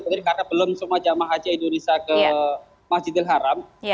karena belum semua jamaah haji indonesia ke masjidil haram